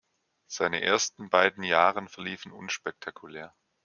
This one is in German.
Seine ersten beiden Jahren verliefen unspektakulär.